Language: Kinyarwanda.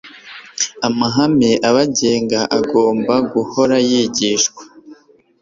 Amahame abagenga agomba guhora yigishwa